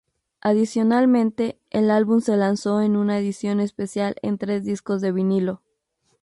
Adicionalmente, el álbum se lanzó en una edición especial en tres discos de vinilo.